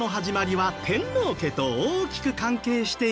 はい。